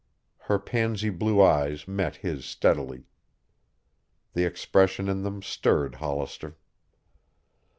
Her pansy blue eyes met his steadily. The expression in them stirred Hollister.